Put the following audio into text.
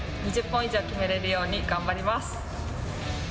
２０本以上決めれるように頑張ります。